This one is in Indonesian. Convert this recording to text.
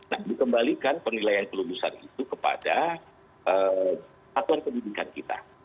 nah dikembalikan penilaian kelulusan itu kepada satuan pendidikan kita